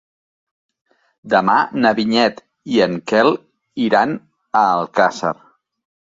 Demà na Vinyet i en Quel iran a Alcàsser.